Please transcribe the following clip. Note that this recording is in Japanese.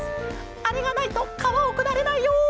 「あれがないとかわをくだれないよ」。